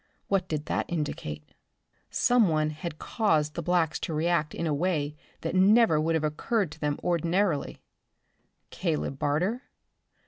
What did that indicate? Someone had caused the blacks to react in a way that never would have occurred to them ordinarily. Caleb Barter?